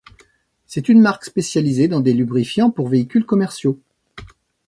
C'est une marque spécialisée dans des lubrifiants pour véhicules commerciaux.